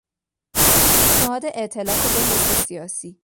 پیشنهاد ائتلاف دو حزب سیاسی